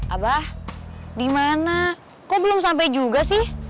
abah dimana kok belum sampai juga sih